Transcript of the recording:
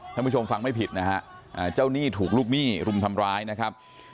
ท่านผู้ชมฟังไม่ผิดนะฮะเจ้าหนี้ถูกลูกหนี้รุมทำร้ายนะครับ